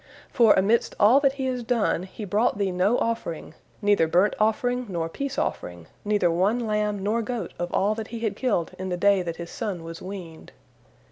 For amidst all that he has done, he brought Thee no offering, neither burnt offering nor peace offering, neither one lamb nor goat of all that he had killed in the day that his son was weaned.